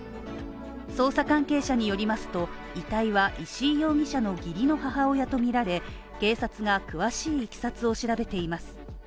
捜査関係者によりますと、遺体は石井容疑者の義理の母親とみられ、警察が詳しい経緯を調べています。